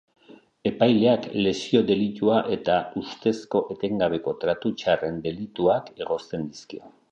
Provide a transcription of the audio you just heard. Epaileak lesio delitua eta ustezko etengabeko tratu txarren delituak egozten dizkio.